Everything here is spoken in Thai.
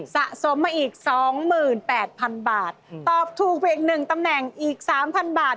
สะสมมาอีก๒๘๐๐๐บาทตอบถูกไปอีก๑ตำแหน่งอีกสามพันบาท